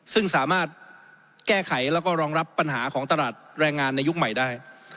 ซึ่งสามารถแก้ไขแล้วก็รองรับปัญหาของตลาดแรงงานในยุคใหม่ได้